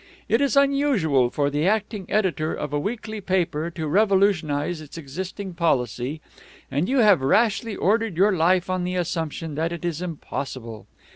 It is unusual for the acting editor of a weekly paper to revolutionize its existing policy, and you have rashly ordered your life on the assumption that it is impossible.